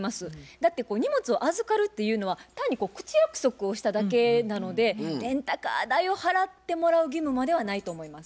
だって荷物を預かるっていうのは単に口約束をしただけなのでレンタカー代を払ってもらう義務まではないと思います。